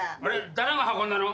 誰が運んだの？